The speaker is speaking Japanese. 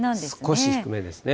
少し低めですね。